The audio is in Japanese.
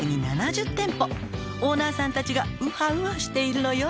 「オーナーさんたちがウハウハしているのよ」